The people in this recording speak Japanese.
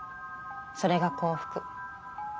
それが幸福。